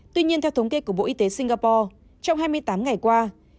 tuy nhiên theo thống kê của bộ y tế singapore trong hai mươi tám ngày qua